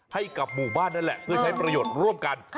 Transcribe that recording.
ให้กับหมู่บ้านนั่นแหละเพื่อใช้ประโยชน์ร่วมกัน